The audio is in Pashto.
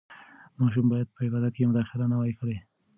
ماشوم باید په عبادت کې مداخله نه وای کړې.